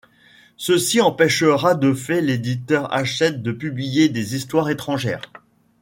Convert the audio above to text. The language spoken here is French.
Ceci empêchera de fait l'éditeur Hachette de publier des histoires étrangères.